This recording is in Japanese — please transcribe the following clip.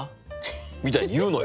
みたいに言うのよ。